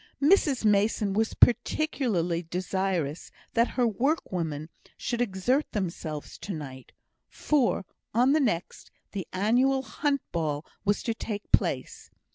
Mrs Mason was particularly desirous that her workwomen should exert themselves to night, for, on the next, the annual hunt ball was to take place.